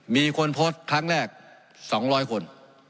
มีคนโพสต์ครั้งแรก๒๐๐คน